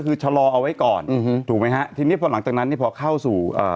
คือชะลอเอาไว้ก่อนอืมถูกไหมฮะทีนี้พอหลังจากนั้นนี่พอเข้าสู่เอ่อ